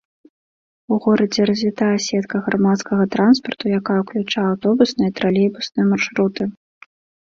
У горадзе развітая сетка грамадскага транспарту, якая ўключае аўтобусная і тралейбусныя маршруты.